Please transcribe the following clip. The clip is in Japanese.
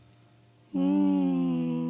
うん。